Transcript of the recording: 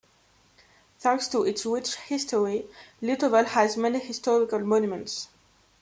Thanks to its rich history Litovel has many historical monuments.